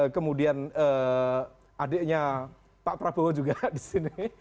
kemudian adiknya pak prabowo juga disini